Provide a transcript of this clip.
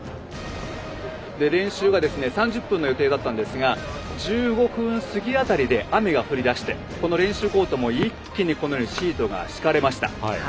練習が３０分の予定だったんですが１５分過ぎ辺りで雨が降り出してこの練習コートも一気にシートが敷かれました。